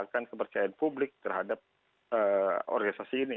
memberikan kepercayaan publik terhadap organisasi ini